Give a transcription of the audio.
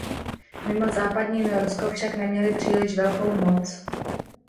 Mimo západní Norsko však neměli příliš velkou moc.